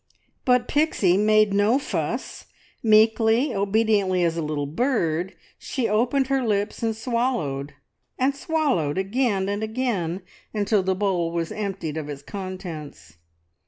But Pixie made no fuss. Meekly, obediently as a little bird, she opened her lips, and swallowed, and swallowed again and again, until the bowl was emptied of its contents.